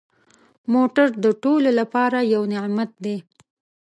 موټر د ټولو لپاره یو نعمت دی.